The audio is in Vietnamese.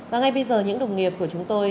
và ngay bây giờ những đồng nghiệp của chúng tôi